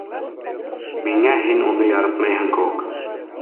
Миңә һин уны яратмайһың кеүек.